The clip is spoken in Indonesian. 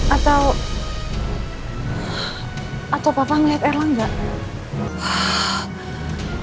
atau papa melihat erlang gak